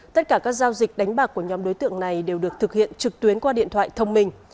tất cả các giao dịch đánh bạc của nhóm đối tượng này đều được thực hiện trực tuyến qua điện thoại thông minh